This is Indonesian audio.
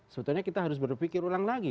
sebetulnya kita harus berpikir ulang lagi